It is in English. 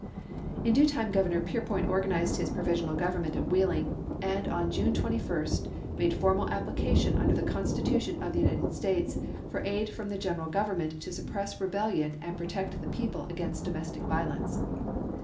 In due time Governor Peirpoint organized his provisional government at Wheeling, and on June 1861. 21 made formal application, under the Constitution of the United States, for aid from the General Gov ernment to suppress rebellion and protect the people against domestic violence.